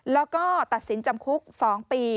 แล้วก็ตัดสินจำคุก๒ปี